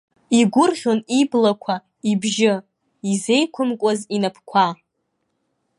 Игәырӷьон иблақәа, ибжьы, изеиқәымкуаз инапқәа.